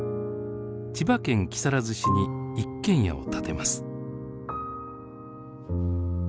千葉県木更津市に一軒家を建てます。